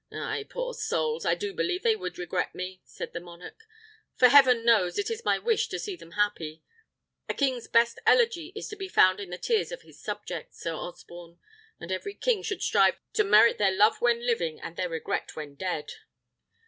"Ay, poor souls! I do believe they would regret me," said the monarch; "for, heaven knows, it is my wish to see them happy. A king's best elegy is to be found in the tears of his subjects, Sir Osborne; and every king should strive to merit their love when living and their regret when dead."